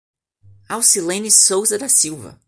Alcilene Souza da Silva